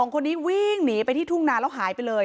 คนนี้วิ่งหนีไปที่ทุ่งนาแล้วหายไปเลย